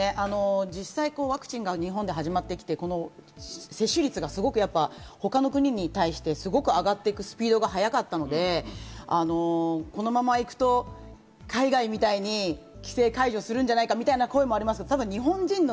ワクチンが日本で始まってきて、接種率が他の国に対して上がっていくスピードが早かったので、このままいくと海外みたいに規制解除をするんじゃないかという声もありますけれども。